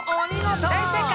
大正解。